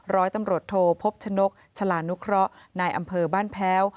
ร้อยตำรวจโทพบชนกชาลานุเคราะห์นายอำเภอบ้านแพ้ว